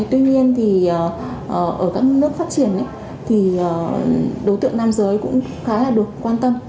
tuy nhiên thì ở các nước phát triển thì đối tượng nam giới cũng khá là được quan tâm